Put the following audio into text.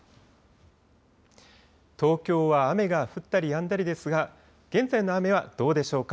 東京は雨が降ったりやんだりですが、現在の雨はどうでしょうか。